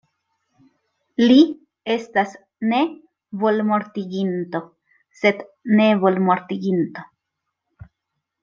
Li estas ne volmortiginto sed nevolmortiginto.